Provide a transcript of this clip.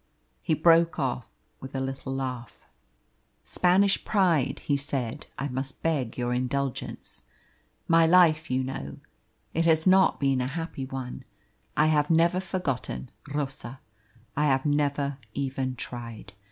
He broke off with a little laugh. "Spanish pride," he said. "I must beg your indulgence. My life you know. It has not been a happy one. I have never forgotten Rosa; I have never even tried.